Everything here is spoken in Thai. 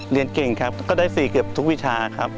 เรียนเก่งครับก็ได้๔เกือบทุกวิชาครับ